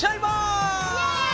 イエーイ！